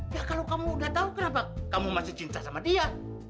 ya kalau kamu udah tahu kenapa kamu masih cinta sama dia